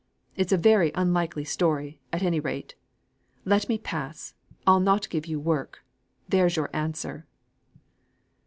It's a very unlikely story, at any rate. Let me pass. I'll not give you work. There's your answer."